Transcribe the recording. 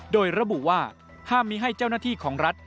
โดยระบุว่าห้ามมีให้เจ้าหน้าที่ของรัฐ